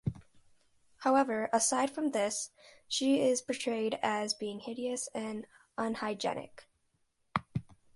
However, aside from this, she is portrayed as being hideous and unhygienic.